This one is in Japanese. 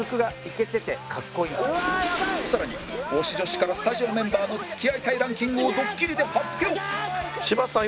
さらに推し女子からスタジオメンバーの付き合いたいランキングをドッキリで発表！